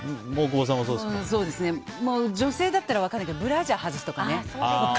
女性だったら分かるけどブラジャー外すとかね。